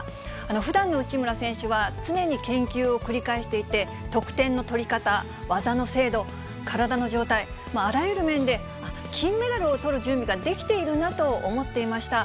ふだんの内村選手は、常に研究を繰り返していて、得点の取り方、技の精度、体の状態、あらゆる面で金メダルをとる準備ができているなと思っていました。